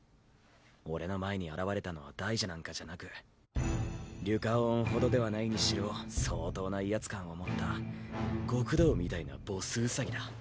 俺の前に現れたのは大蛇なんかじゃなくリュカオーンほどではないにしろ相当な威圧感を持った極道みたいなボス兎だ。